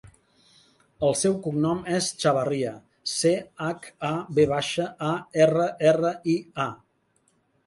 El seu cognom és Chavarria: ce, hac, a, ve baixa, a, erra, erra, i, a.